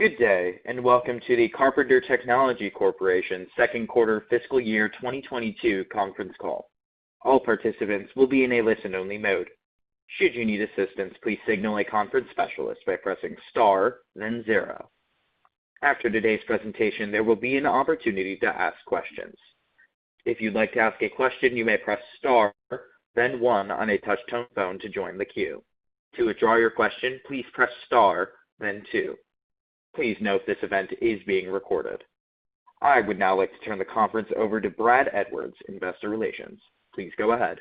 Good day, and welcome to the Carpenter Technology Corporation Q2 Fiscal Year 2022 Conference Call. All participants will be in a listen-only mode. Should you need assistance, please signal a conference specialist by pressing star, then zero. After today's presentation, there will be an opportunity to ask questions. If you'd like to ask a question, you may press star, then one on a touch-tone phone to join the queue. To withdraw your question, please press star then two. Please note this event is being recorded. I would now like to turn the conference over to Brad Edwards, Investor Relations. Please go ahead.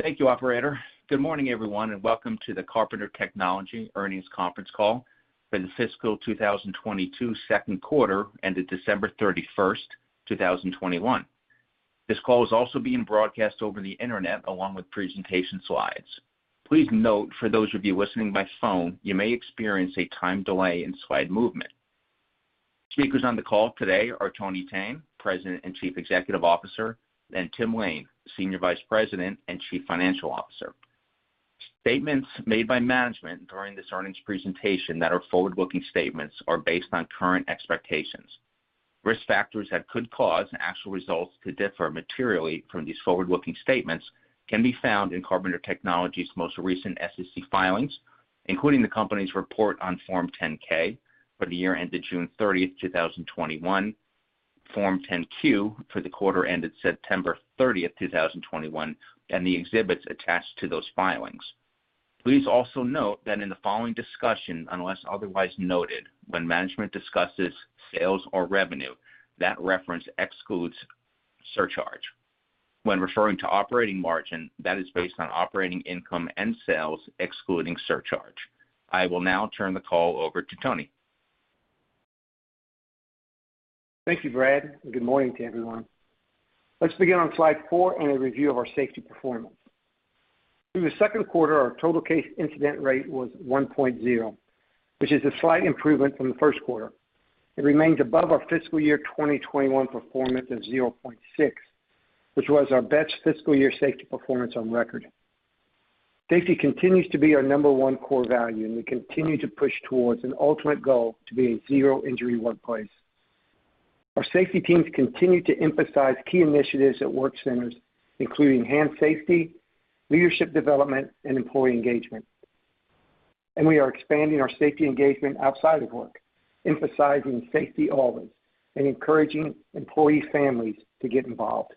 Thank you, operator. Good morning, everyone, and welcome to the Carpenter Technology Earnings Conference call for the fiscal 2022 second quarter ended December 31st, 2021. This call is also being broadcast over the internet along with presentation slides. Please note for those of you listening by phone, you may experience a time delay in slide movement. Speakers on the call today are Tony Thene, President and Chief Executive Officer, and Tim Lain, Senior Vice President and Chief Financial Officer. Statements made by management during this earnings presentation that are forward-looking statements are based on current expectations. Risk factors that could cause actual results to differ materially from these forward-looking statements can be found in Carpenter Technology's most recent SEC filings, including the company's report on Form 10-K for the year ended June 30, 2021, Form 10-Q for the quarter ended September 30, 2021, and the exhibits attached to those filings. Please also note that in the following discussion, unless otherwise noted, when management discusses sales or revenue, that reference excludes surcharge. When referring to operating margin, that is based on operating income and sales excluding surcharge. I will now turn the call over to Tony. Thank you, Brad, and good morning to everyone. Let's begin on slide four in a review of our safety performance. Through the second quarter, our total case incident rate was 1.0, which is a slight improvement from the first quarter. It remains above our fiscal year 2021 performance of 0.6, which was our best fiscal year safety performance on record. Safety continues to be our number one core value, and we continue to push towards an ultimate goal to be a zero-injury workplace. Our safety teams continue to emphasize key initiatives at work centers, including hand safety, leadership development, and employee engagement. We are expanding our safety engagement outside of work, emphasizing safety always and encouraging employee families to get involved.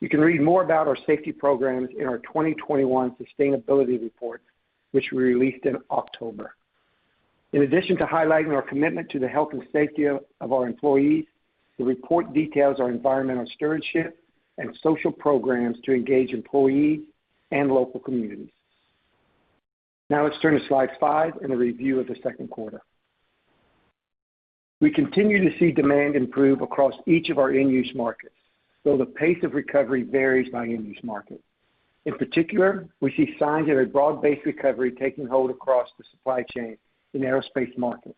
You can read more about our safety programs in our 2021 sustainability report, which we released in October. In addition to highlighting our commitment to the health and safety of our employees, the report details our environmental stewardship and social programs to engage employees and local communities. Now let's turn to slide five and a review of the second quarter. We continue to see demand improve across each of our end-use markets, though the pace of recovery varies by end-use market. In particular, we see signs of a broad-based recovery taking hold across the supply chain in aerospace market,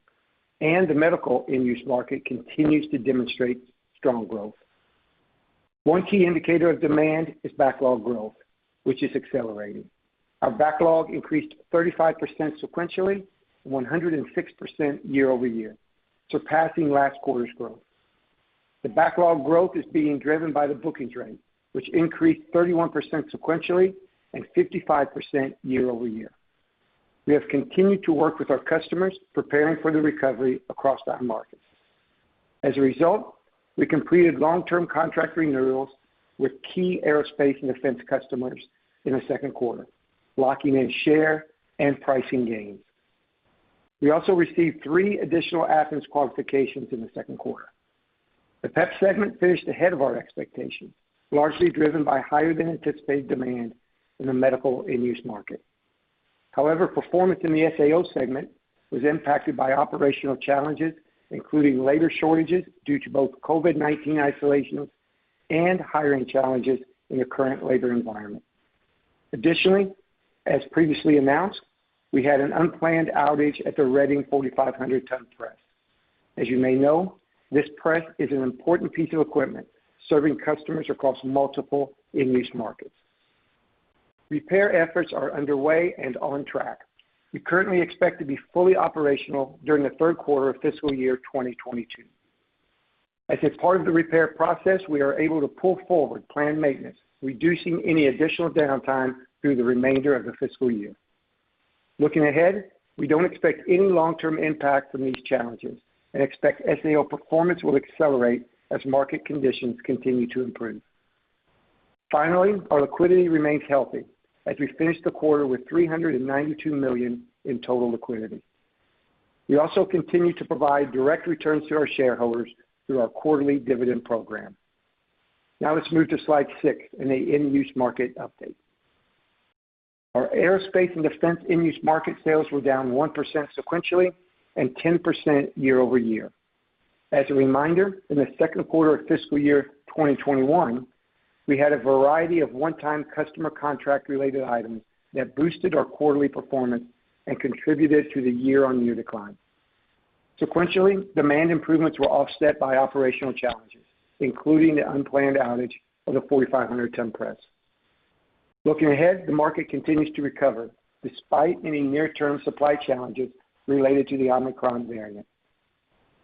and the medical end-use market continues to demonstrate strong growth. One key indicator of demand is backlog growth, which is accelerating. Our backlog increased 35% sequentially, 106% year-over-year, surpassing last quarter's growth. The backlog growth is being driven by the bookings rate, which increased 31% sequentially and 55% year-over-year. We have continued to work with our customers preparing for the recovery across our markets. As a result, we completed long-term contract renewals with key aerospace and defense customers in the second quarter, locking in share and pricing gains. We also received three additional Athens qualifications in the second quarter. The PEP segment finished ahead of our expectations, largely driven by higher than anticipated demand in the medical end-use market. However, performance in the SAO segment was impacted by operational challenges, including labor shortages due to both COVID-19 isolations and hiring challenges in the current labor environment. Additionally, as previously announced, we had an unplanned outage at the Reading 4,500-ton press. As you may know, this press is an important piece of equipment serving customers across multiple end-use markets. Repair efforts are underway and on track. We currently expect to be fully operational during the third quarter of fiscal year 2022. As a part of the repair process, we are able to pull forward planned maintenance, reducing any additional downtime through the remainder of the fiscal year. Looking ahead, we don't expect any long-term impact from these challenges and expect SAO performance will accelerate as market conditions continue to improve. Finally, our liquidity remains healthy as we finish the quarter with $392 million in total liquidity. We also continue to provide direct returns to our shareholders through our quarterly dividend program. Now let's move to slide six in the end-use market update. Our aerospace and defense end-use market sales were down 1% sequentially and 10% year-over-year. As a reminder, in the second quarter of fiscal year 2021, we had a variety of one-time customer contract related items that boosted our quarterly performance and contributed to the year-on-year decline. Sequentially, demand improvements were offset by operational challenges, including the unplanned outage of the 4,500-ton press. Looking ahead, the market continues to recover despite any near-term supply challenges related to the Omicron variant.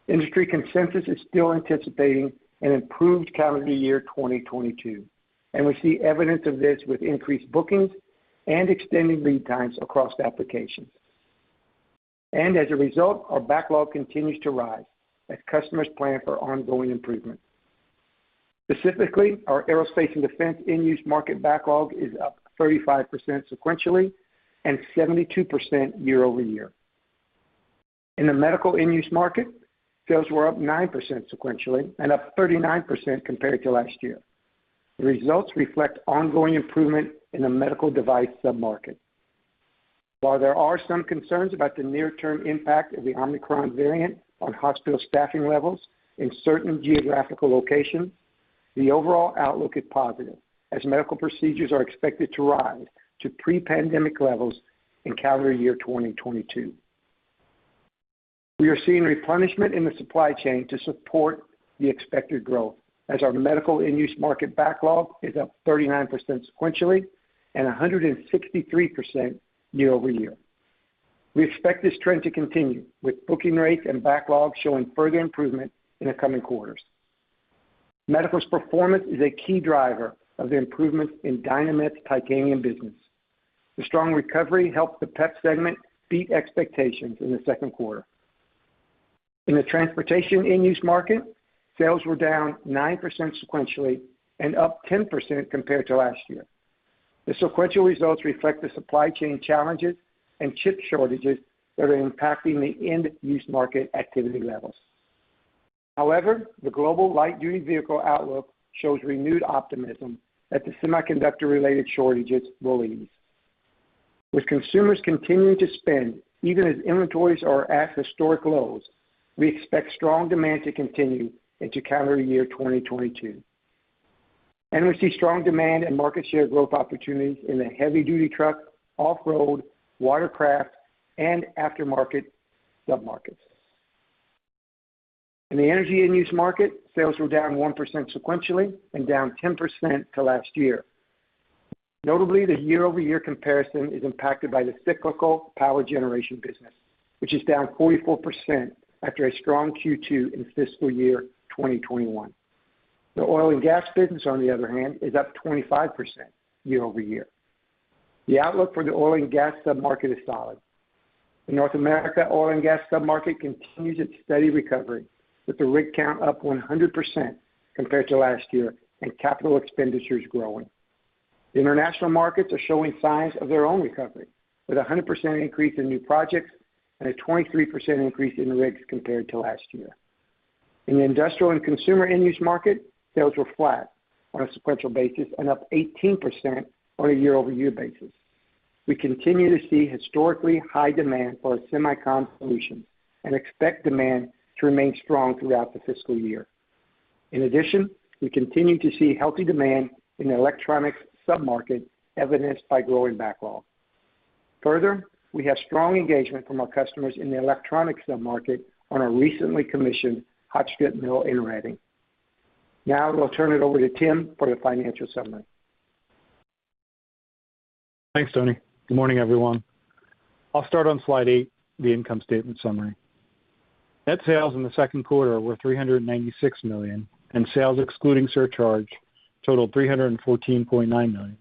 Industry consensus is still anticipating an improved calendar year 2022, and we see evidence of this with increased bookings and extended lead times across applications. As a result, our backlog continues to rise as customers plan for ongoing improvement. Specifically, our aerospace and defense end-use market backlog is up 35% sequentially and 72% year-over-year. In the medical end-use market, sales were up 9% sequentially and up 39% compared to last year. The results reflect ongoing improvement in the medical device sub-market. While there are some concerns about the near-term impact of the Omicron variant on hospital staffing levels in certain geographical locations, the overall outlook is positive as medical procedures are expected to rise to pre-pandemic levels in calendar year 2022. We are seeing replenishment in the supply chain to support the expected growth as our medical end-use market backlog is up 39% sequentially and 163% year-over-year. We expect this trend to continue, with booking rates and backlogs showing further improvement in the coming quarters. Medical's performance is a key driver of the improvement in Dynamet's titanium business. The strong recovery helped the PEP segment beat expectations in the second quarter. In the transportation end-use market, sales were down 9% sequentially and up 10% compared to last year. The sequential results reflect the supply chain challenges and chip shortages that are impacting the end-use market activity levels. However, the global light-duty vehicle outlook shows renewed optimism that the semiconductor-related shortages will ease. With consumers continuing to spend even as inventories are at historic lows, we expect strong demand to continue into calendar year 2022. We see strong demand and market share growth opportunities in the heavy-duty truck, off-road, watercraft, and aftermarket sub-markets. In the energy end-use market, sales were down 1% sequentially and down 10% to last year. Notably, the year-over-year comparison is impacted by the cyclical power generation business, which is down 44% after a strong Q2 in fiscal year 2021. The oil and gas business, on the other hand, is up 25% year-over-year. The outlook for the oil and gas sub-market is solid. The North America oil and gas sub-market continues its steady recovery, with the rig count up 100% compared to last year and capital expenditures growing. The international markets are showing signs of their own recovery, with a 100% increase in new projects and a 23% increase in rigs compared to last year. In the industrial and consumer end-use market, sales were flat on a sequential basis and up 18% on a year-over-year basis. We continue to see historically high demand for our Semicon solutions and expect demand to remain strong throughout the fiscal year. In addition, we continue to see healthy demand in the electronics sub-market, evidenced by growing backlog. Further, we have strong engagement from our customers in the electronics sub-market on our recently commissioned hot strip mill in Reading. Now I will turn it over to Tim for the financial summary. Thanks, Tony. Good morning, everyone. I'll start on slide eight, the income statement summary. Net sales in the second quarter were $396 million, and sales excluding surcharge totaled $314.9 million.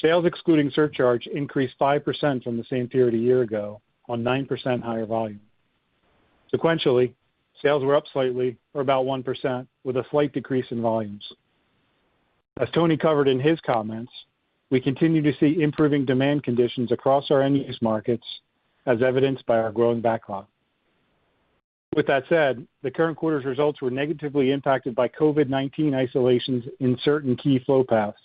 Sales excluding surcharge increased 5% from the same period a year ago on 9% higher volume. Sequentially, sales were up slightly, or about 1%, with a slight decrease in volumes. As Tony covered in his comments, we continue to see improving demand conditions across our end-use markets, as evidenced by our growing backlog. With that said, the current quarter's results were negatively impacted by COVID-19 isolations in certain key flow paths,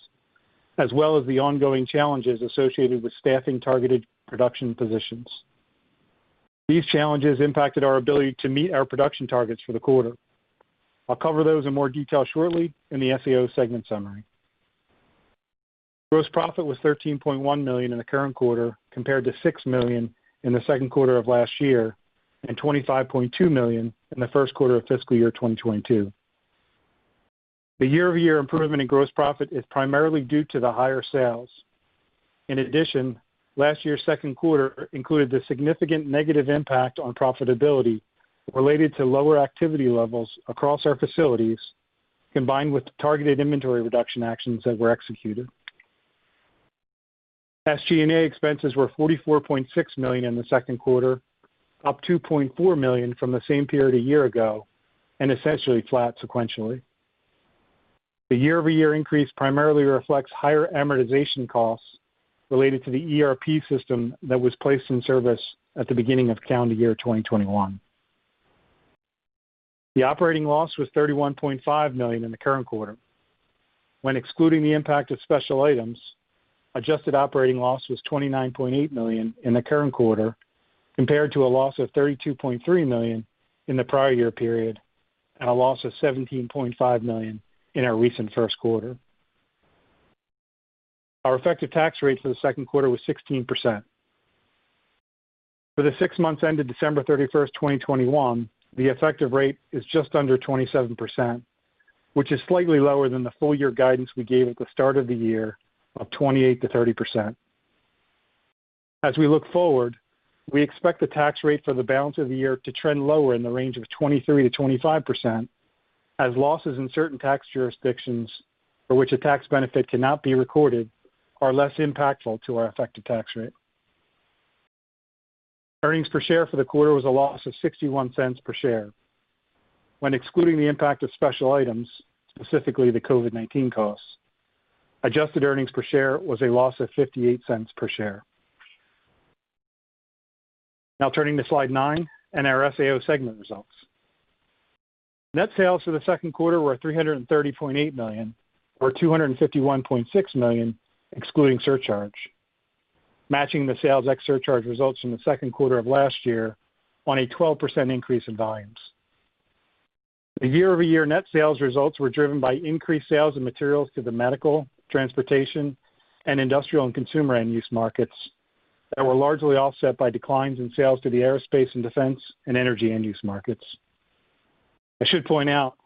as well as the ongoing challenges associated with staffing targeted production positions. These challenges impacted our ability to meet our production targets for the quarter. I'll cover those in more detail shortly in the SAO segment summary. Gross profit was $13.1 million in the current quarter compared to $6 million in the second quarter of last year and $25.2 million in the first quarter of fiscal year 2022. The year-over-year improvement in gross profit is primarily due to the higher sales. In addition, last year's second quarter included the significant negative impact on profitability related to lower activity levels across our facilities, combined with targeted inventory reduction actions that were executed. SG&A expenses were $44.6 million in the second quarter, up $2.4 million from the same period a year ago and essentially flat sequentially. The year-over-year increase primarily reflects higher amortization costs related to the ERP system that was placed in service at the beginning of calendar year 2021. The operating loss was $31.5 million in the current quarter. When excluding the impact of special items, adjusted operating loss was $29.8 million in the current quarter compared to a loss of $32.3 million in the prior year period and a loss of $17.5 million in our recent first quarter. Our effective tax rate for the second quarter was 16%. For the six months ended December 31st, 2021, the effective rate is just under 27%, which is slightly lower than the full year guidance we gave at the start of the year of 28%-30%. As we look forward, we expect the tax rate for the balance of the year to trend lower in the range of 23%-25% as losses in certain tax jurisdictions for which a tax benefit cannot be recorded are less impactful to our effective tax rate. Earnings per share for the quarter was a loss of $0.61 per share. When excluding the impact of special items, specifically the COVID-19 costs, adjusted earnings per share was a loss of $0.58 per share. Now turning to Slide nine and our SAO segment results. Net sales for the second quarter were $330.8 million, or $251.6 million, excluding surcharge, matching the sales ex surcharge results from the second quarter of last year on a 12% increase in volumes. The year-over-year net sales results were driven by increased sales of materials to the medical, transportation, and industrial and consumer end-use markets that were largely offset by declines in sales to the aerospace and defense and energy end-use markets. I should point out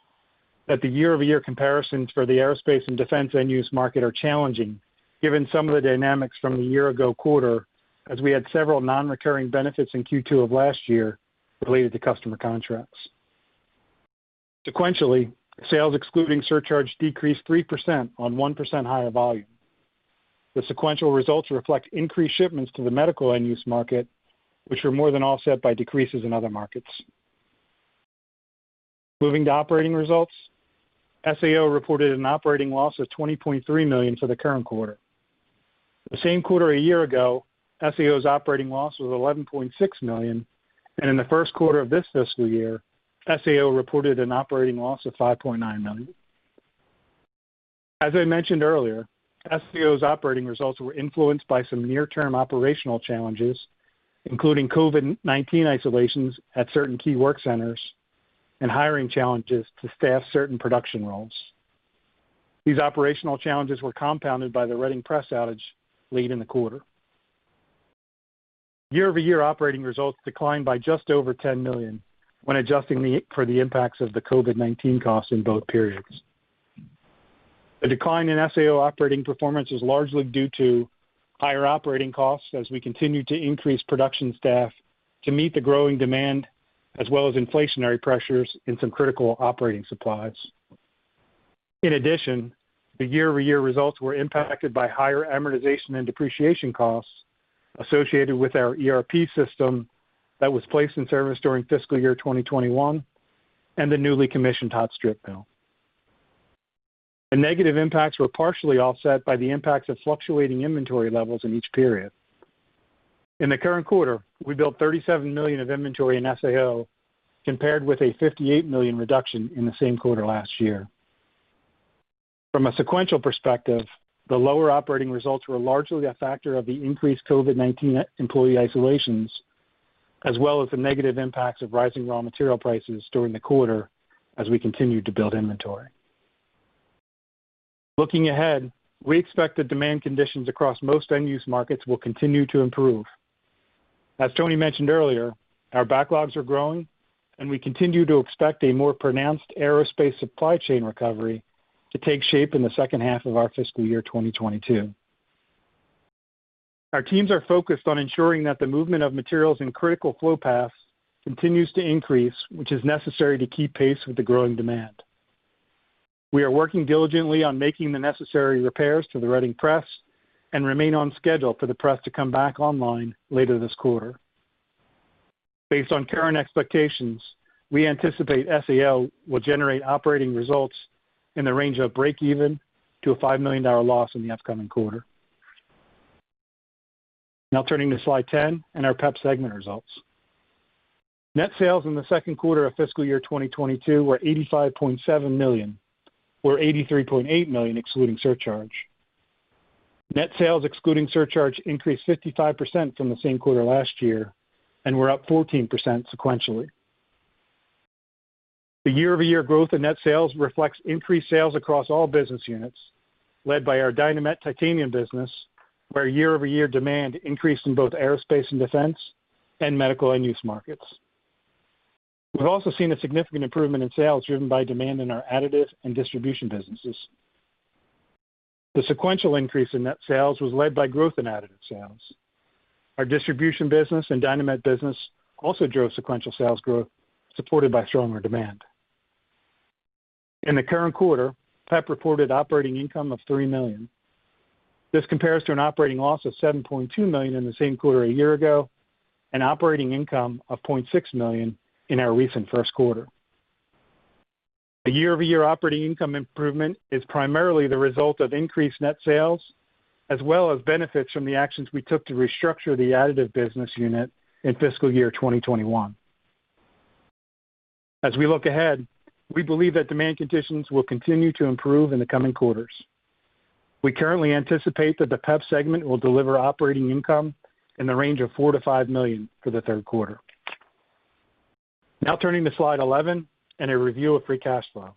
that the year-over-year comparisons for the aerospace and defense end-use market are challenging given some of the dynamics from the year ago quarter as we had several non-recurring benefits in Q2 of last year related to customer contracts. Sequentially, sales excluding surcharge decreased 3% on 1% higher volume. The sequential results reflect increased shipments to the medical end-use market, which were more than offset by decreases in other markets. Moving to operating results. SAO reported an operating loss of $20.3 million for the current quarter. The same quarter a year ago, SAO's operating loss was $11.6 million, and in the first quarter of this fiscal year, SAO reported an operating loss of $5.9 million. As I mentioned earlier, SAO's operating results were influenced by some near term operational challenges, including COVID-19 isolations at certain key work centers and hiring challenges to staff certain production roles. These operational challenges were compounded by the Reading Press outage late in the quarter. Year-over-year operating results declined by just over $10 million when adjusting for the impacts of the COVID-19 costs in both periods. The decline in SAO operating performance is largely due to higher operating costs as we continue to increase production staff to meet the growing demand as well as inflationary pressures in some critical operating supplies. In addition, the year-over-year results were impacted by higher amortization and depreciation costs associated with our ERP system that was placed in service during fiscal year 2021 and the newly commissioned hot strip mill. The negative impacts were partially offset by the impacts of fluctuating inventory levels in each period. In the current quarter, we built $37 million of inventory in SAO, compared with a $58 million reduction in the same quarter last year. From a sequential perspective, the lower operating results were largely a factor of the increased COVID-19 employee isolations, as well as the negative impacts of rising raw material prices during the quarter as we continued to build inventory. Looking ahead, we expect the demand conditions across most end-use markets will continue to improve. As Tony mentioned earlier, our backlogs are growing, and we continue to expect a more pronounced aerospace supply chain recovery to take shape in the second half of our fiscal year 2022. Our teams are focused on ensuring that the movement of materials in critical flow paths continues to increase, which is necessary to keep pace with the growing demand. We are working diligently on making the necessary repairs to the Reading Press and remain on schedule for the press to come back online later this quarter. Based on current expectations, we anticipate SAO will generate operating results in the range of breakeven to a $5 million loss in the upcoming quarter. Now turning to slide 10 and our PEP segment results. Net sales in the second quarter of fiscal year 2022 were $85.7 million, or $83.8 million excluding surcharge. Net sales excluding surcharge increased 55% from the same quarter last year and were up 14% sequentially. The year-over-year growth in net sales reflects increased sales across all business units, led by our Dynamet titanium business, where year-over-year demand increased in both aerospace and defense and medical end-use markets. We've also seen a significant improvement in sales driven by demand in our additive and distribution businesses. The sequential increase in net sales was led by growth in additive sales. Our distribution business and Dynamet business also drove sequential sales growth, supported by stronger demand. In the current quarter, PEP reported operating income of $3 million. This compares to an operating loss of $7.2 million in the same quarter a year ago and operating income of $0.6 million in our recent first quarter. The year-over-year operating income improvement is primarily the result of increased net sales as well as benefits from the actions we took to restructure the additive business unit in fiscal year 2021. As we look ahead, we believe that demand conditions will continue to improve in the coming quarters. We currently anticipate that the PEP segment will deliver operating income in the range of $4 million-$5 million for the third quarter. Now turning to slide 11 and a review of free cash flow.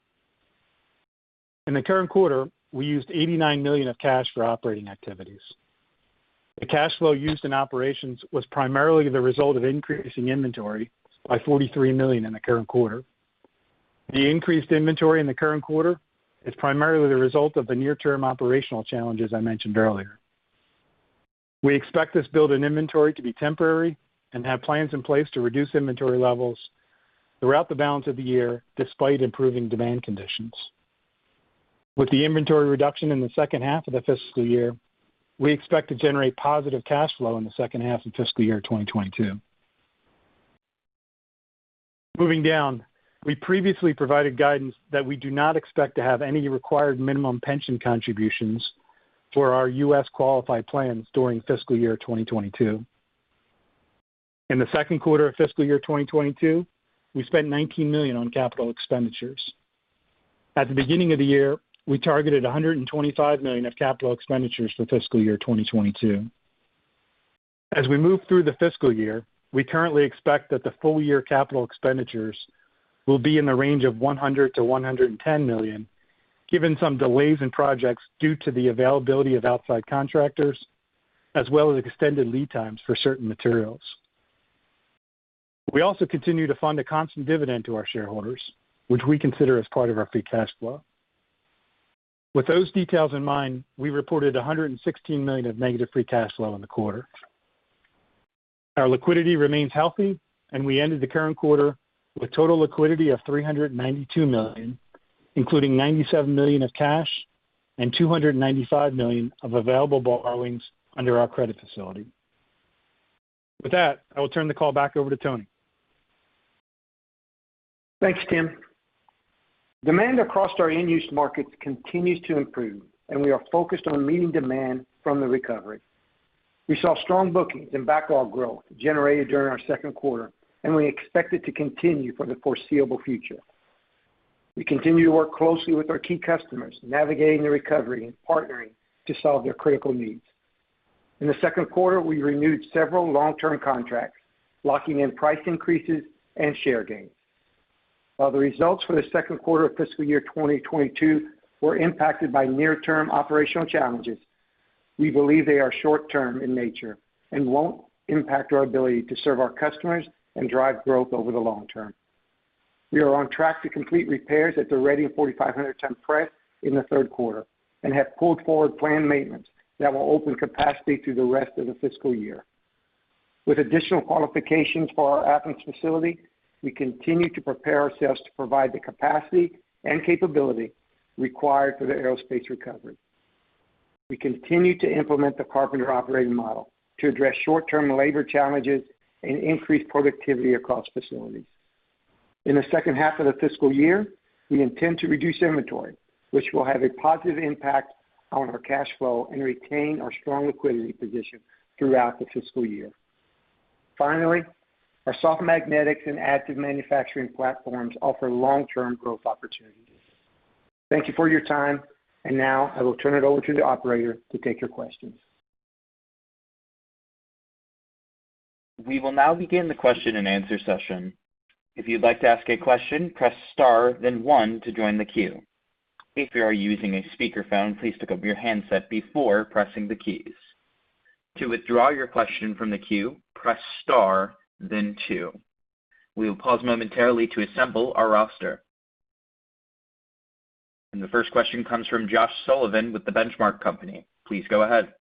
In the current quarter, we used $89 million of cash for operating activities. The cash flow used in operations was primarily the result of increasing inventory by $43 million in the current quarter. The increased inventory in the current quarter is primarily the result of the near-term operational challenges I mentioned earlier. We expect this build in inventory to be temporary and have plans in place to reduce inventory levels throughout the balance of the year despite improving demand conditions. With the inventory reduction in the second half of the fiscal year, we expect to generate positive cash flow in the second half of fiscal year 2022. Moving down, we previously provided guidance that we do not expect to have any required minimum pension contributions for our U.S. qualified plans during fiscal year 2022. In the second quarter of fiscal year 2022, we spent $19 million on capital expenditures. At the beginning of the year, we targeted $125 million of capital expenditures for fiscal year 2022. As we move through the fiscal year, we currently expect that the full year capital expenditures will be in the range of $100 million-$110 million, given some delays in projects due to the availability of outside contractors, as well as extended lead times for certain materials. We also continue to fund a constant dividend to our shareholders, which we consider as part of our free cash flow. With those details in mind, we reported $116 million of negative free cash flow in the quarter. Our liquidity remains healthy, and we ended the current quarter with total liquidity of $392 million, including $97 million of cash and $295 million of available borrowings under our credit facility. With that, I will turn the call back over to Tony. Thanks, Tim. Demand across our end-use markets continues to improve, and we are focused on meeting demand from the recovery. We saw strong bookings and backlog growth generated during our second quarter, and we expect it to continue for the foreseeable future. We continue to work closely with our key customers, navigating the recovery and partnering to solve their critical needs. In the second quarter, we renewed several long-term contracts, locking in price increases and share gains. While the results for the second quarter of fiscal year 2022 were impacted by near-term operational challenges, we believe they are short term in nature and won't impact our ability to serve our customers and drive growth over the long term. We are on track to complete repairs at the Reading 4,500-ton press in the third quarter and have pulled forward planned maintenance that will open capacity through the rest of the fiscal year. With additional qualifications for our Athens facility, we continue to prepare ourselves to provide the capacity and capability required for the aerospace recovery. We continue to implement the Carpenter operating model to address short-term labor challenges and increase productivity across facilities. In the second half of the fiscal year, we intend to reduce inventory, which will have a positive impact on our cash flow and retain our strong liquidity position throughout the fiscal year. Finally, our soft magnetics and additive manufacturing platforms offer long-term growth opportunities. Thank you for your time. Now I will turn it over to the operator to take your questions. We will now begin the question-and-answer session. If you'd like to ask a question, press star then one to join the queue. If you are using a speakerphone, please pick up your handset before pressing the keys. To withdraw your question from the queue, press star then two. We will pause momentarily to assemble our roster. The first question comes from Josh Sullivan with The Benchmark Company. Please go ahead.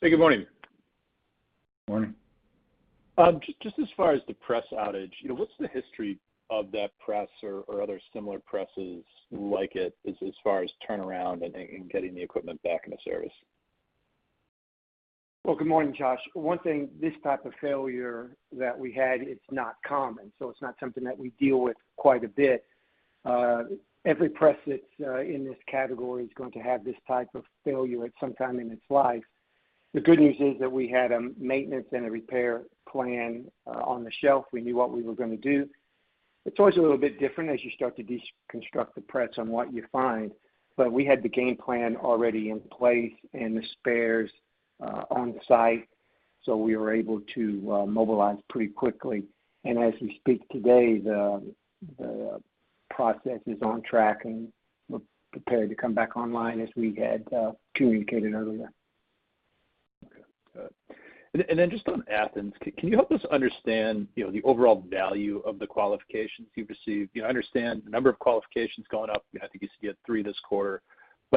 Hey, good morning. Morning. Just as far as the press outage, you know, what's the history of that press or other similar presses like it as far as turnaround and getting the equipment back into service? Well, good morning, Josh. One thing, this type of failure that we had, it's not common, so it's not something that we deal with quite a bit. Every press that's in this category is going to have this type of failure at some time in its life. The good news is that we had a maintenance and a repair plan on the shelf. We knew what we were gonna do. It's always a little bit different as you start to deconstruct the press on what you find, but we had the game plan already in place and the spares on site, so we were able to mobilize pretty quickly. As we speak today, the process is on track, and we're prepared to come back online as we had communicated earlier. Okay. Just on Athens, can you help us understand, you know, the overall value of the qualifications you've received? You know, I understand the number of qualifications going up. You know, I think you said three this quarter.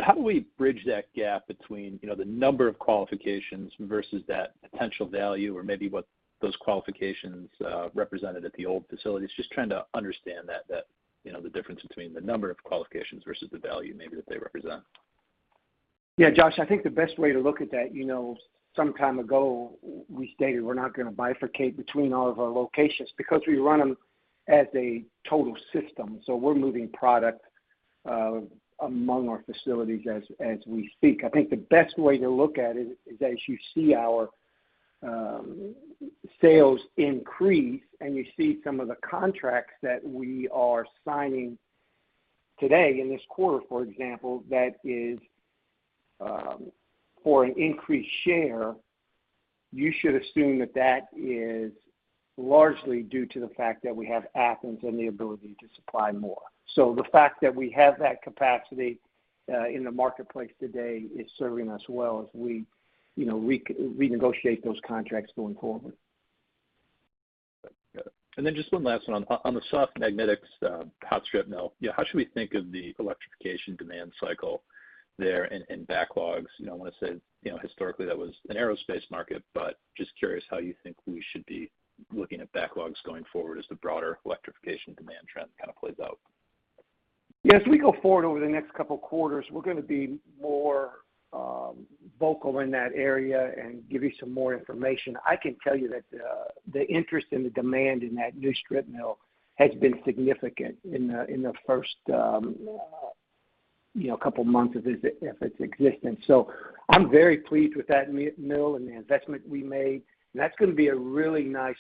How do we bridge that gap between, you know, the number of qualifications versus that potential value or maybe what those qualifications represented at the old facilities? Just trying to understand that, you know, the difference between the number of qualifications versus the value maybe that they represent. Yeah, Josh, I think the best way to look at that, you know, some time ago we stated we're not gonna bifurcate between all of our locations because we run them as a total system, so we're moving product among our facilities as we speak. I think the best way to look at it is as you see our sales increase and you see some of the contracts that we are signing today in this quarter, for example, that is for an increased share, you should assume that that is largely due to the fact that we have Athens and the ability to supply more. So the fact that we have that capacity in the marketplace today is serving us well as we, you know, renegotiate those contracts going forward. Got it. Just one last one. On the soft magnetics, hot strip mill, you know, how should we think of the electrification demand cycle there in backlogs? You know, I want to say, you know, historically that was an aerospace market, but just curious how you think we should be looking at backlogs going forward as the broader electrification demand trend kind of plays out. Yeah. As we go forward over the next couple of quarters, we're gonna be more vocal in that area and give you some more information. I can tell you that the interest and the demand in that new strip mill has been significant in the first couple of months of its existence. I'm very pleased with that mill and the investment we made. That's gonna be a really nice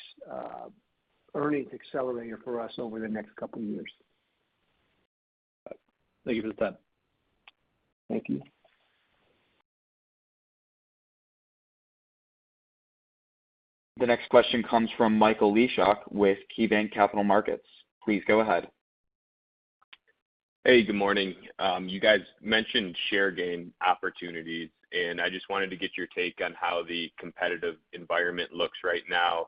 earnings accelerator for us over the next couple of years. Got it. Thank you for the time. Thank you. The next question comes from Michael Leshock with KeyBanc Capital Markets. Please go ahead. Hey, good morning. You guys mentioned share gain opportunities, and I just wanted to get your take on how the competitive environment looks right now.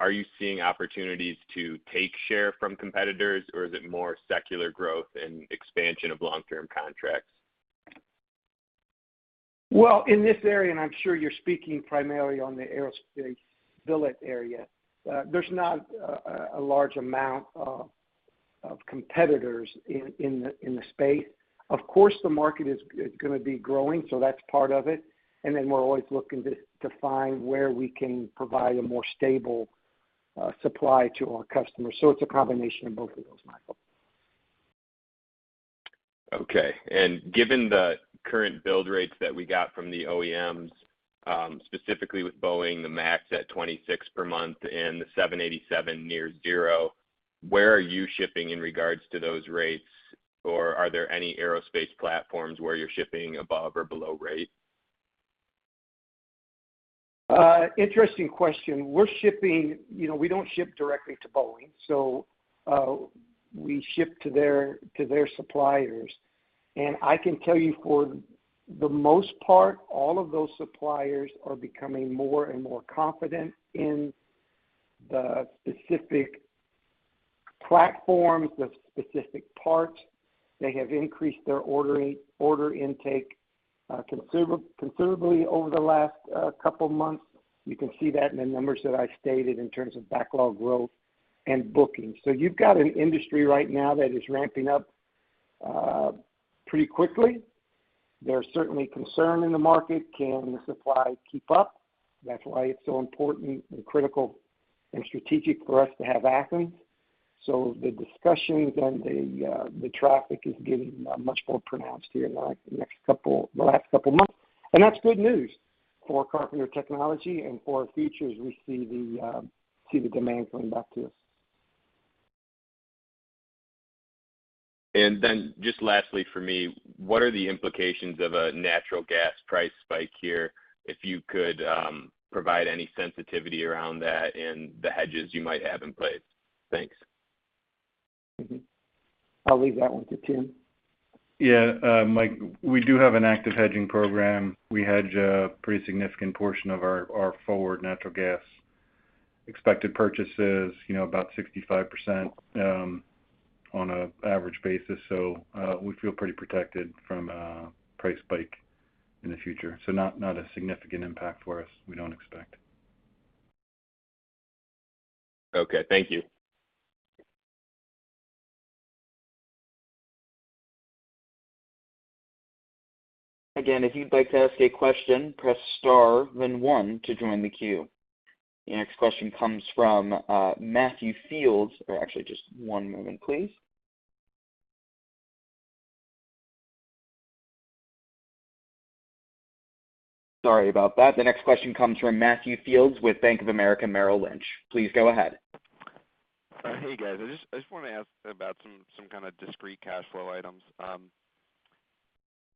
Are you seeing opportunities to take share from competitors, or is it more secular growth and expansion of long-term contracts? Well, in this area, and I'm sure you're speaking primarily on the aerospace billet area, there's not a large amount of competitors in the space. Of course, the market is gonna be growing, so that's part of it. We're always looking to find where we can provide a more stable supply to our customers. It's a combination of both of those, Michael. Okay. Given the current build rates that we got from the OEMs, specifically with Boeing, the MAX at 26 per month and the 787 near zero, where are you shipping in regards to those rates, or are there any aerospace platforms where you're shipping above or below rate? Interesting question. We're shipping. You know, we don't ship directly to Boeing, so we ship to their suppliers. I can tell you for the most part, all of those suppliers are becoming more and more confident in the specific platforms, the specific parts. They have increased their order intake considerably over the last couple of months. You can see that in the numbers that I stated in terms of backlog growth and bookings. You've got an industry right now that is ramping up pretty quickly. There are certainly concern in the market, can the supply keep up? That's why it's so important and critical and strategic for us to have Athens. The discussions and the traffic is getting much more pronounced here in the last couple of months. That's good news for Carpenter Technology and for our future as we see the demand coming back to us. Just lastly for me, what are the implications of a natural gas price spike here? If you could, provide any sensitivity around that and the hedges you might have in place. Thanks. Mm-hmm. I'll leave that one to Tim. Yeah, Mike, we do have an active hedging program. We hedge a pretty significant portion of our forward natural gas expected purchases, you know, about 65%, on an average basis. We feel pretty protected from a price spike in the future. Not a significant impact for us, we don't expect. Okay, thank you. Again, if you'd like to ask a question, press star then one to join the queue. Actually just one moment, please. Sorry about that. The next question comes from Matthew Fields with Bank of America Merrill Lynch. Please go ahead. Hey, guys. I just wanna ask about some kinda discrete cash flow items.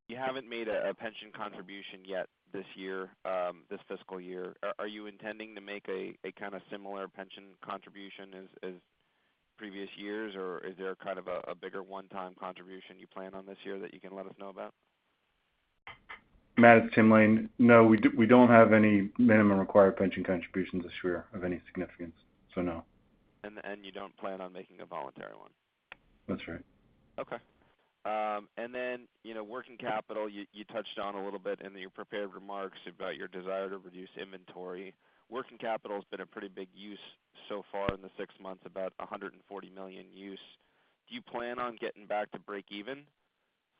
You haven't made a pension contribution yet this year, this fiscal year. Are you intending to make a kinda similar pension contribution as previous years, or is there kind of a bigger one-time contribution you plan on this year that you can let us know about? Matt, it's Tim Lain. No, we don't have any minimum required pension contributions this year of any significance. No. You don't plan on making a voluntary one? That's right. Okay. You know, working capital, you touched on a little bit in your prepared remarks about your desire to reduce inventory. Working capital has been a pretty big use so far in the six months, about $140 million use. Do you plan on getting back to break even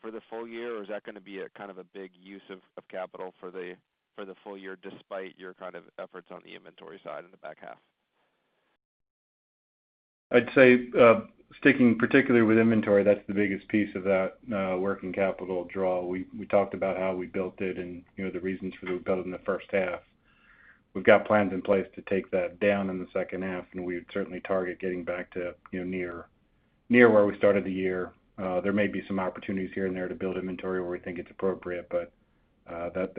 for the full year, or is that gonna be a kind of a big use of capital for the full year, despite your kind of efforts on the inventory side in the back half? I'd say, sticking particularly with inventory, that's the biggest piece of that, working capital draw. We talked about how we built it and, you know, the reasons for the build in the first half. We've got plans in place to take that down in the second half, and we would certainly target getting back to, you know, near where we started the year. There may be some opportunities here and there to build inventory where we think it's appropriate, but, that's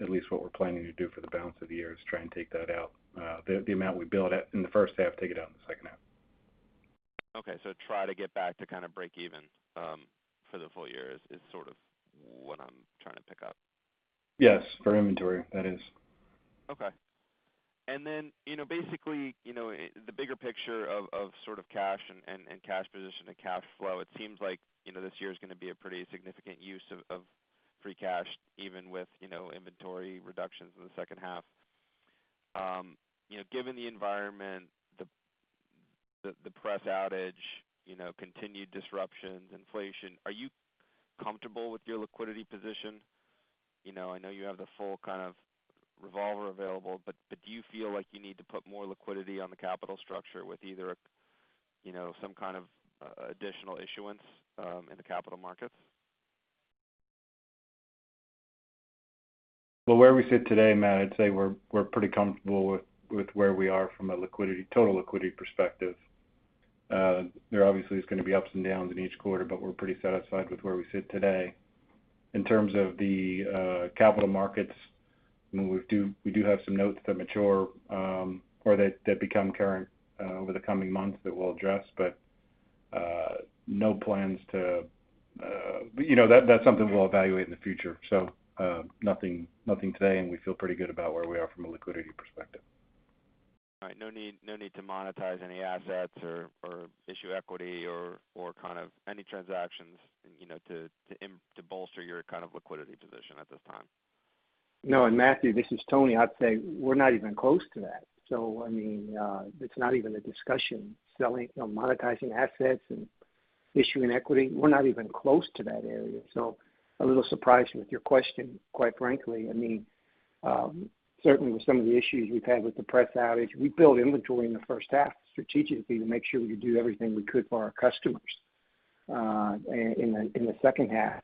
at least what we're planning to do for the balance of the year, is try and take that out. The amount we build in the first half, take it out in the second half. Okay. Try to get back to kind of break even, for the full year is sort of what I'm trying to pick up. Yes. For inventory, that is. Okay. Then, you know, basically, you know, the bigger picture of sort of cash and cash position and cash flow, it seems like, you know, this year is gonna be a pretty significant use of free cash, even with, you know, inventory reductions in the second half. You know, given the environment, the press outage, you know, continued disruptions, inflation, are you comfortable with your liquidity position? You know, I know you have the full kind of revolver available, but do you feel like you need to put more liquidity on the capital structure with either, you know, some kind of additional issuance in the capital markets? Well, where we sit today, Matt, I'd say we're pretty comfortable with where we are from a liquidity, total liquidity perspective. There obviously is gonna be ups and downs in each quarter, but we're pretty satisfied with where we sit today. In terms of the capital markets, we do have some notes that mature or that become current over the coming months that we'll address, but no plans to, you know, that's something we'll evaluate in the future. Nothing today, and we feel pretty good about where we are from a liquidity perspective. All right. No need to monetize any assets or issue equity or kind of any transactions, you know, to bolster your kind of liquidity position at this time? No, Matthew, this is Tony. I'd say we're not even close to that. I mean, it's not even a discussion. Selling or monetizing assets and issuing equity, we're not even close to that area. A little surprised with your question, quite frankly. I mean, certainly with some of the issues we've had with the press outage, we built inventory in the first half strategically to make sure we could do everything we could for our customers, in the second half.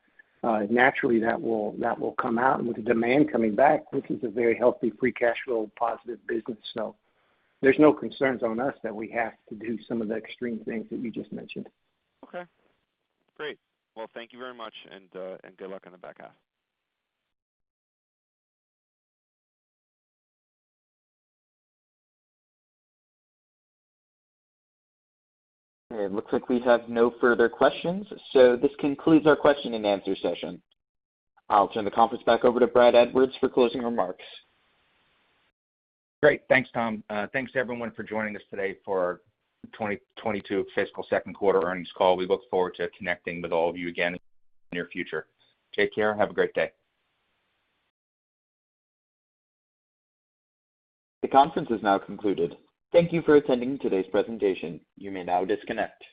Naturally, that will come out. With the demand coming back, this is a very healthy, free cash flow positive business. There's no concerns on us that we have to do some of the extreme things that you just mentioned. Okay, great. Well, thank you very much, and good luck on the back half. It looks like we have no further questions. This concludes our question and answer session. I'll turn the conference back over to Brad Edwards for closing remarks. Great. Thanks, Tony. Thanks everyone for joining us today for 2022 fiscal second quarter earnings call. We look forward to connecting with all of you again in the near future. Take care. Have a great day. The conference is now concluded. Thank you for attending today's presentation. You may now disconnect.